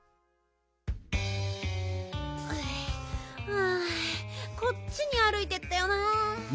うんこっちにあるいてったよな。